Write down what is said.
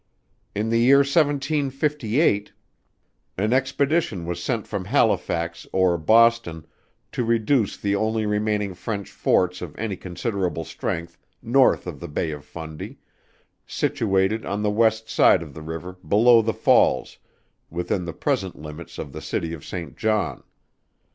In the year 1758, an expedition was sent from Halifax or Boston to reduce the only remaining French forts of any considerable strength, north of the Bay of Fundy; situated on the west side of the river, below the falls, within the present limits of the city Saint John.